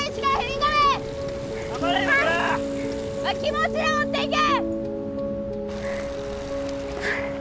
気持ちを持っていけ！